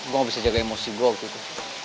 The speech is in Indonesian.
gue gak bisa jaga emosi gue waktu itu